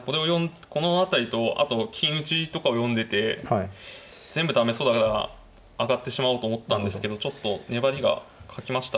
この辺りとあと金打ちとかを読んでて全部駄目そうだから上がってしまおうと思ったんですけどちょっと粘りが欠きましたかね。